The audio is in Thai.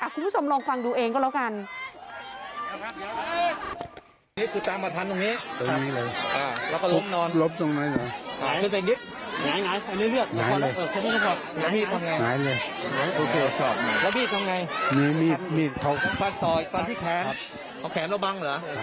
คุณผู้ชมลองฟังดูเองก็แล้วกัน